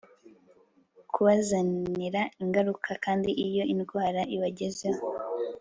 kubazanira ingaruka kandi iyo indwara ibagezeho